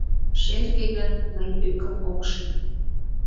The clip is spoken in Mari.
— Шерге гын, мый ӧкым ом ший.